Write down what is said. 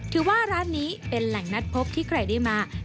ถือว่าร้านนี้เป็นแหล่งนัดพบที่ใครได้มา